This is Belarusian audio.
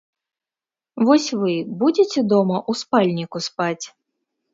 Вось вы будзеце дома ў спальніку спаць?